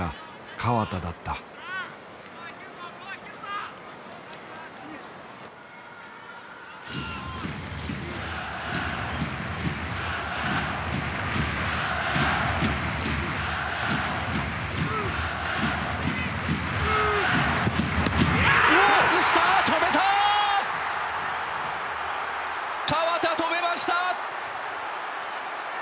河田止めました！